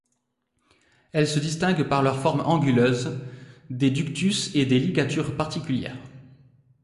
Elles se distinguent par leurs formes anguleuses, des ductus et des ligatures particuliers.